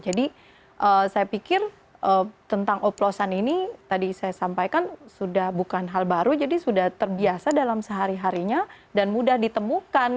jadi saya pikir tentang opulasan ini tadi saya sampaikan sudah bukan hal baru jadi sudah terbiasa dalam sehari harinya dan mudah ditemukan